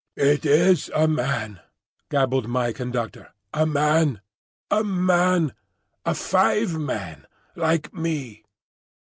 "It is a man," gabbled my conductor, "a man, a man, a five man, like me."